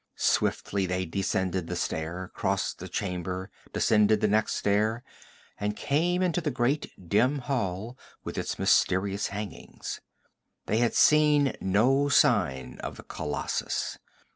Swiftly they descended the stair, crossed the chamber, descended the next stair, and came into the great dim hall with its mysterious hangings. They had seen no sign of the colossus.